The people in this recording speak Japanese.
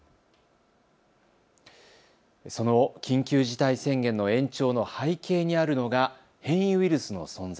その緊急事態宣言の延長の背景にあるのが変異ウイルスの存在。